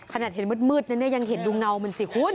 ขนาดเห็นมืดนะเนี่ยยังเห็นดูเงามันสิคุณ